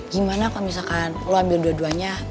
gimana kalau misalkan lo ambil dua duanya